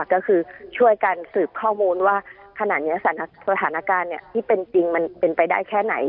ก็คือช่วยกันสืบข้อมูลว่าขนาดนี้สถานการณ์ที่เป็นจริงมันเป็นไปได้แค่ไหน